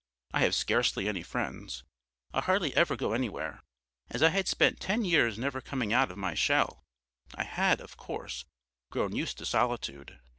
I have scarcely any friends; I hardly ever go anywhere. As I had spent ten years never coming out of my shell, I had, of course, grown used to solitude.